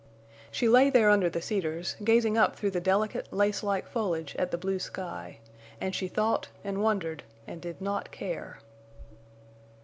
She lay there under the cedars, gazing up through the delicate lacelike foliage at the blue sky, and she thought and wondered and did not care.